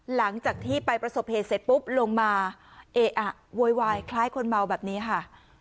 หลังจากที่ไปประสบเหตุเสร็จปุ๊บลงมาเอะอะโวยวายคล้ายคนเมาแบบนี้ค่ะ